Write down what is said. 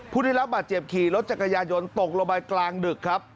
ผู้ได้รับบาดเจ็บขี่รถจักรยายนตกลงไปกลางดึกครับ